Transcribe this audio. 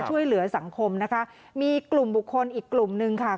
ช่วยเหลือสังคมนะคะมีกลุ่มบุคคลอีกกลุ่มนึงค่ะ